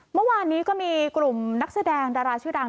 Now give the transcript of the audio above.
เมื่อวานนี้ก็มีกลุ่มนักแสดงดาราชื่อดัง